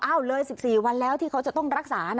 เลย๑๔วันแล้วที่เขาจะต้องรักษานะ